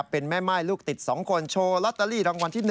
เป็นแม่ม่ายลูกติด๒คนโชว์ลอตเตอรี่รางวัลที่๑